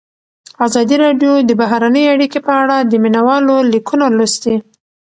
ازادي راډیو د بهرنۍ اړیکې په اړه د مینه والو لیکونه لوستي.